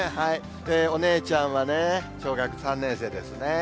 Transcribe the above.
お姉ちゃんはね、小学３年生ですね。